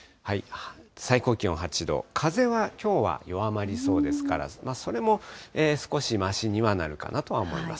最高気温８度、風はきょうは弱まりそうですから、それも少しましにはなるかなとは思います。